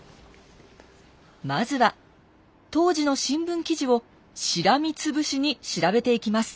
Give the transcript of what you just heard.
まずは当時の新聞記事をしらみつぶしに調べていきます。